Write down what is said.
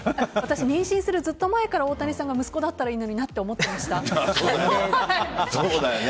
妊娠するずっと前から大谷さんが息子だったらいいのになとそうだよね。